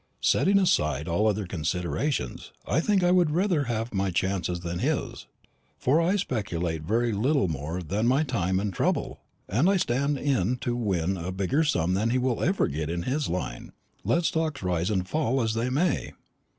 Setting aside all other considerations, I think I would rather have my chances than his; for I speculate very little more than my time and trouble, and I stand in to win a bigger sum than he will ever get in his line, let stocks rise and fall as they may."